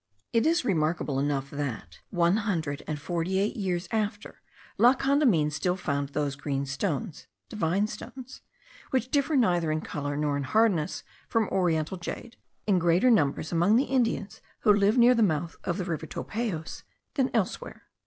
It is remarkable enough that, one hundred and forty eight years after, La Condamine still found those green stones (divine stones), which differ neither in colour nor in hardness from oriental jade, in greater numbers among the Indians who live near the mouth of the Rio Topayos, than elsewhere.